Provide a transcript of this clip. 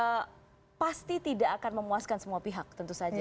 ya pasti tidak akan memuaskan semua pihak tentu saja